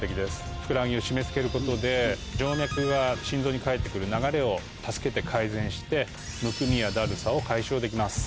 ふくらはぎを締め付けることで静脈が心臓に返ってくる流れを助けて改善してむくみやだるさを解消できます。